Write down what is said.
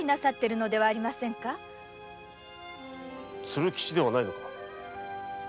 鶴吉ではないのか？